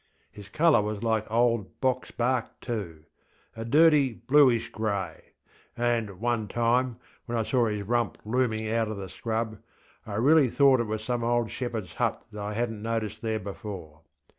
His colour was like old box bark, too, a dirty bluish grey; and, one time, when I saw his rump looming out of the scrub, I really thought it was some old shepherdŌĆÖs hut that I hadnŌĆÖt noticed there before.